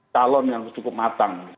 calon yang cukup matang